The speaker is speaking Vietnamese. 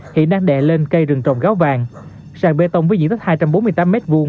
hiện đang đè lên cây rừng trồng gáo vàng sàn bê tông với diện tích hai trăm bốn mươi tám m hai